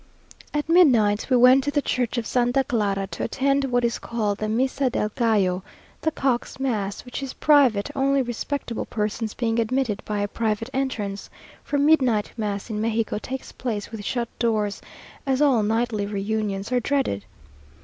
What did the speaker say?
At midnight we went to the church of Santa Clara, to attend what is called the Misa del Gallo, the Cock's Mass; which is private, only respectable persons being admitted by a private entrance; for midnight mass in Mexico takes place with shut doors, as all nightly reunions are dreaded.